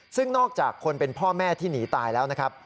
ซึ่งนอกจากคนเป็นพ่อแม่ที่หนีตายแล้วนะครับ